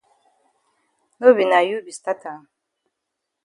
No be na you be stat am.